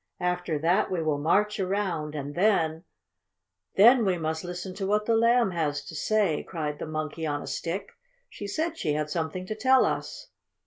After that we will march around and then " "Then we must listen to what the Lamb has to say," cried the Monkey on a Stick. "She said she had something to tell us."